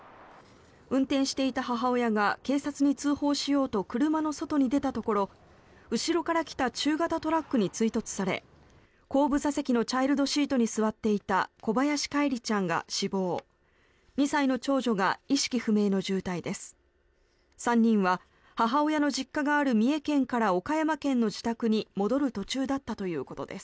運転していた母親が警察に通報しようと車の外に出たところ後ろから来た中型トラックに追突され後部座席のチャイルドシートに座っていた小林叶一里ちゃんが死亡２歳の長女が意識不明の重体です。